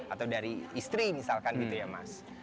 atau dari istri misalkan gitu ya mas